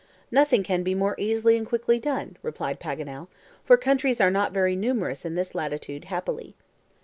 "Nothing can be more easily and quickly done," replied Paganel; "for countries are not very numerous in this latitude, happily."